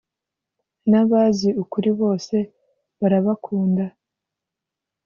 N abazi ukuri bose barabakunda